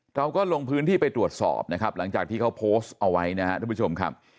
เราก็ลงพื้นที่ไปตรวจสอบนะครับหลังจากที่เขาโพสต์เอาไว้นะครับทุกผู้ชมครับ